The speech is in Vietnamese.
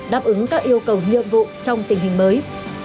đáp ứng các yêu cầu nhiệm vụ trong tình hình mới